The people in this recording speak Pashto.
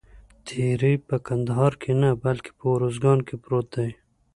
تیری په کندهار کې نه بلکې په اوروزګان کې پروت دی.